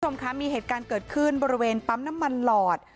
คุณผู้ชมคะมีเหตุการณ์เกิดขึ้นบริเวณปั๊มน้ำมันหลอด